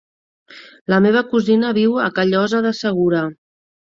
La meva cosina viu a Callosa de Segura.